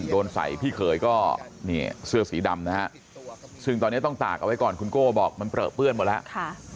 โดนใส่พี่เขยก็นี่เสื้อสีดำนะฮะซึ่งตอนนี้ต้องตากเอาไว้ก่อนคุณโก้บอกมันเปลือเปื้อนหมดแล้ว